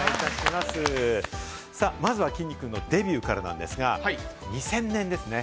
まずは、きんに君のデビューからなんですが、２０００年ですね。